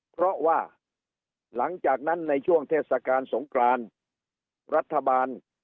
เพราะว่าหลังจากนั้นในช่วงเทศกาลสงกรานรัฐบาล